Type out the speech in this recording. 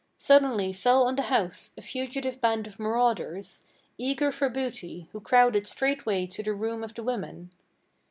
Suddenly fell on the house a fugitive band of marauders, Eager for booty, who crowded straightway to the room of the women.